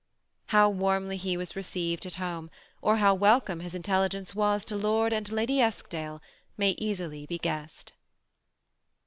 How warmly he was received at home, or how wel come his intelligence was to Lord and Lady Eskdale, may easily be guessed.